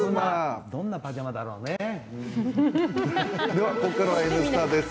では、ここからは「Ｎスタ」です。